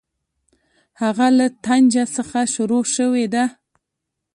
هغه له طنجه څخه شروع شوې ده.